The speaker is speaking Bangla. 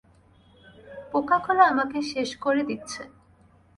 পোকাগুলো আমাকে শেষ করে দিচ্ছে।